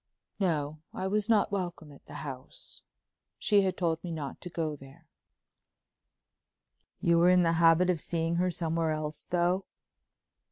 "No—I was not welcome at the house. She had told me not to go there." "You were in the habit of seeing her somewhere else, though?"